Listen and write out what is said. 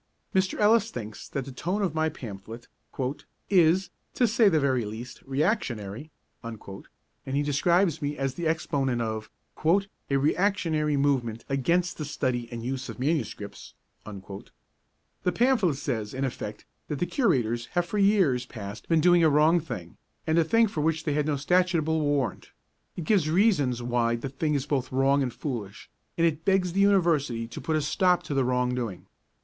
Mr. Ellis thinks that the tone of my pamphlet 'is, to say the very least, reactionary', and he describes me as the exponent of 'a reactionary movement against the study and use of MSS.' The pamphlet says in effect that the Curators have for years past been doing a wrong thing, and a thing for which they had no statutable warrant; it gives reasons why the thing is both wrong and foolish, and it begs the University to put a stop to the wrong doing.